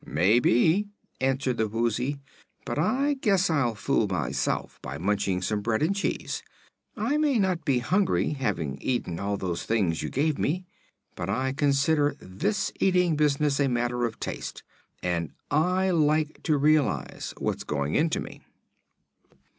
"May be," answered the Woozy; "but I guess I'll fool myself by munching some bread and cheese. I may not be hungry, having eaten all those things you gave me, but I consider this eating business a matter of taste, and I like to realize what's going into me."